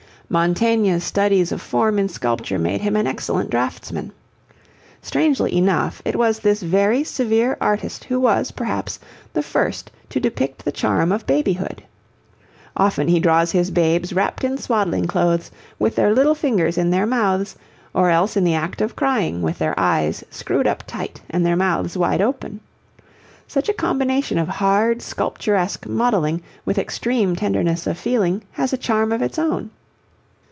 Mantegna's studies of form in sculpture made him an excellent draughtsman. Strangely enough, it was this very severe artist who was, perhaps, the first to depict the charm of babyhood. Often he draws his babes wrapped in swaddling clothes, with their little fingers in their mouths, or else in the act of crying, with their eyes screwed up tight, and their mouths wide open. Such a combination of hard sculpturesque modelling with extreme tenderness of feeling has a charm of its own.